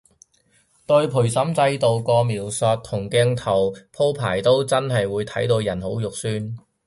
對陪審制度個描述同鏡頭鋪排都真係會睇到人好肉緊